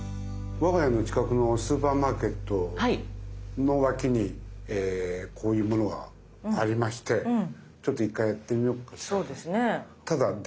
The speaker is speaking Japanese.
我が家の近くのスーパーマーケットの脇にこういうものがありましてちょっと１回やってみようかなと。